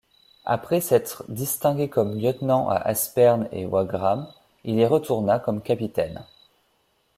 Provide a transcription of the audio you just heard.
Après s'être distingué comme lieutenant à Aspern et Wagram, il y retourna comme capitaine.